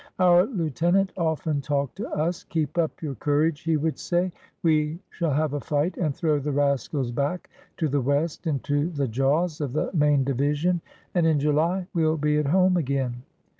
Our lieutenant often talked to us. "Keep up your courage," he would say; "we shall have a fight and throw the rascals back to the west into the jaws of the main division. And in July we'll be at home again."